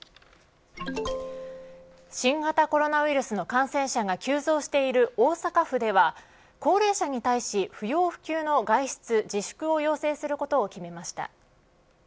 新型コロナウイルスの感染者が急増している大阪府では高齢者に対し不要不急の外出自粛を要請することを決めました。